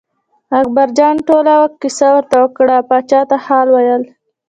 اکبرجان ټوله کیسه ورته وکړه پاچا ته حال ویل.